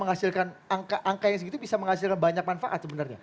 angka yang segitu bisa menghasilkan banyak manfaat sebenarnya